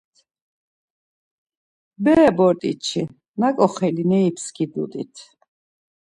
Bere bort̆itşi naǩo xelineri pskidut̆it.